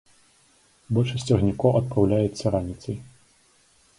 Большасць цягнікоў адпраўляецца раніцай.